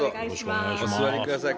お座りください。